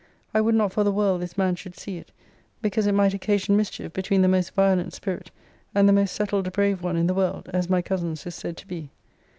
I would not for the world this man should see it; because it might occasion mischief between the most violent spirit, and the most settled brave one in the world, as my cousin's is said to be.